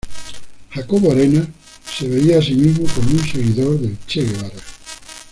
Jacobo Arenas se veía a sí mismo como un seguidor del Che Guevara.